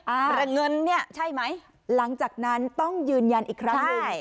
อ่าหรือเงินเนี่ยใช่ไหมหลังจากนั้นต้องยืนยันอีกครั้งใช่